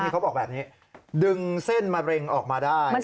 เขาบอกแบบนี้ดึงเส้นมะเร็งออกมาได้